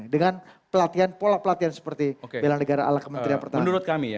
dengan pelatihan pola pelatihan seperti bela negara ala kementerian pertahanan